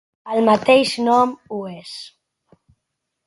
El mateix nom ho és.